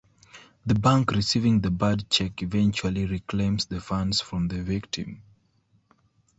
The bank receiving the bad check eventually reclaims the funds from the victim.